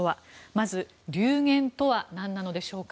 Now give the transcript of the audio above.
まずは流言とは何なのでしょうか。